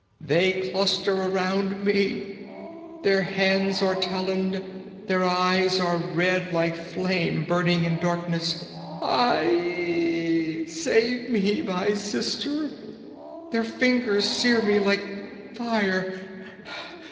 They cluster around me; their hands are taloned, their eyes are red like flame burning in darkness. Aie, save me, my sister! Their fingers sear me like fire!